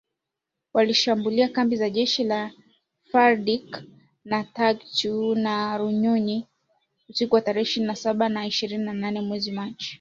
Walishambulia kambi za jeshi la FARDC za Tchanzu na Runyonyi, usiku wa tarehe ishirini na saba na ishirini na nane mwezi Machi